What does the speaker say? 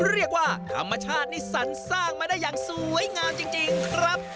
เรียกว่าธรรมชาตินี่สรรสร้างมาได้อย่างสวยงามจริงครับ